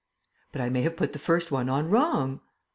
"But I may have put the first one on wrong."